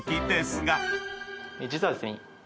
実はですね